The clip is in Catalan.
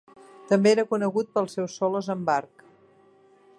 També era conegut pels seus solos amb arc.